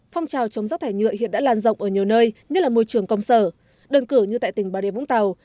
phong trào chống rác thải nhựa hiện đã lan rộng ở nhiều nơi như là môi trường công sở đơn cử như tại tỉnh bà rịa vũng tàu